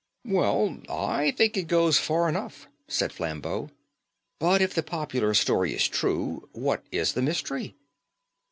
"Well, I think it goes far enough!" said Flambeau; "but if the popular story is true, what is the mystery?"